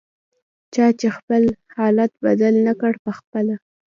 چا چې خپل حالت بدل نکړ پخپله